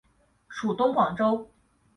属东广州。